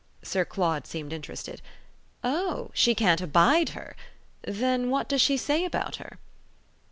Sir Claude seemed interested. "Oh she can't abide her? Then what does she say about her?"